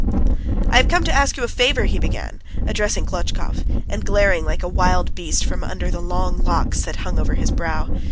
"I have come to ask you a favour," he began, addressing Klotchkov, and glaring like a wild beast from under the long locks that hung over his brow.